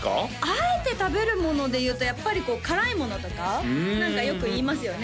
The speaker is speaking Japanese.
あえて食べるものでいうとやっぱり辛いものとかなんかよく言いますよね